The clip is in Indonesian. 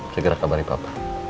segera kabarin papa